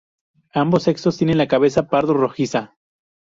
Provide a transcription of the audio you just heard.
Ambos sexos tienen la cabeza pardo rojiza.